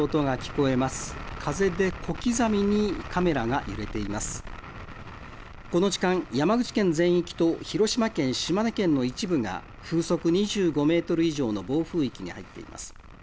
この時間、山口県全域と広島県、島根県の一部が風速２５メートル以上の暴風域に入っています。